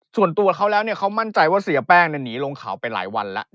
ส่วนตัวเขาแล้วเขามั่นใจว่าเสียแป้งหนีลงเขาไปหลายวันแล้ว